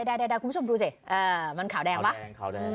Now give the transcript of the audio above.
แต่ได้คุณผู้ชมดูสิมันขาวแดงป่ะ